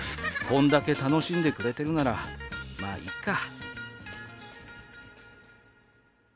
「こんだけ楽しんでくれてるならまいっか」。